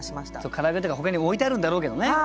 からあげとかほかに置いてあるんだろうけどね。